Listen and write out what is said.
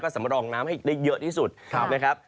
สำรองน้ำให้ได้เยอะที่สุดนะครับ